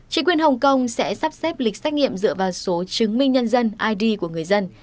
chính quyền hồng kông sẽ sắp xếp lịch xét nghiệm dựa vào số chứng minh nhân dân id của người dân